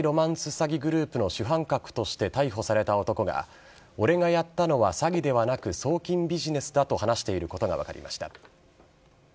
詐欺グループの主犯格として逮捕された男が俺がやったのは詐欺ではなく送金ビジネスだと話していることが分かりました。